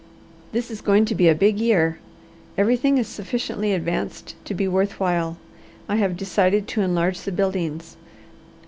This is going to be a big year. Everything is sufficiently advanced to be worth while. I have decided to enlarge the buildings."